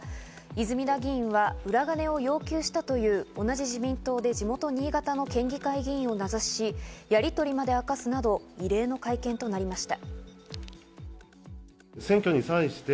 泉田議員は裏金を要求したという同じ自民党で地元・新潟の県議会議員を名指しし、やりとりまで明かすなど異例の会見となりました。